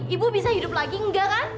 ibu bisa hidup lagi enggak kan